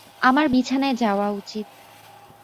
আমার বিছানায় যাওয়া উচিত।